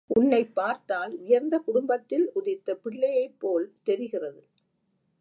உன்னைப் பார்த்தால் உயர்ந்த குடும்பத்தில் உதித்த பிள்ளையைப்போல் தெரிகிறது.